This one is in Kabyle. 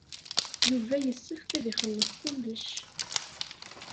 Yuba yessefk ad ixelleṣ kullec.